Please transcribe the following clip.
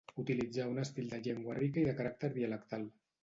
Utilitzà un estil de llengua rica i de caràcter dialectal.